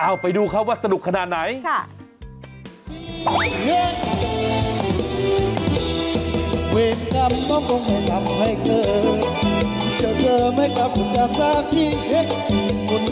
เอาไปดูครับว่าสนุกขนาดไหน